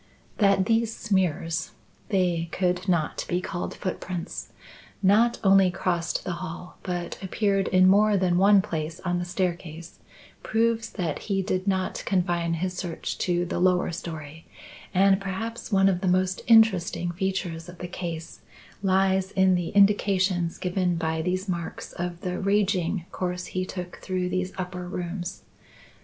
"That these smears (they could not be called footprints) not only crossed the hall but appeared in more than one place on the staircase proves that he did not confine his search to the lower storey; and perhaps one of the most interesting features of the case lies in the indications given by these marks of the raging course he took through these upper rooms.